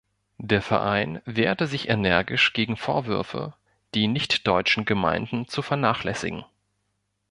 Der Verein wehrte sich energisch gegen Vorwürfe, die nichtdeutschen Gemeinden zu vernachlässigen.